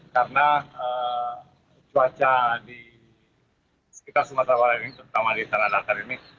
karena cuaca di sekitar sumatera barat ini terutama di tanah datar ini